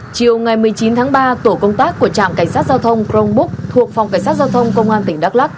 chiều ngày một mươi chín tháng ba tổ công tác của trạm cảnh sát giao thông crong búc thuộc phòng cảnh sát giao thông công an tỉnh đắk lắc